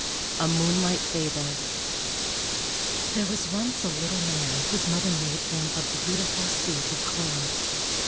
A MOONLIGHT FABLE There was once a little man whose mother made him a beautiful suit of clothes.